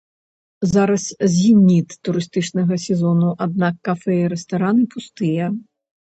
Зараз зеніт турыстычнага сезону, аднак кафэ і рэстараны пустыя.